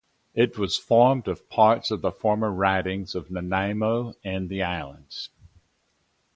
It was formed of parts of the former ridings of Nanaimo and The Islands.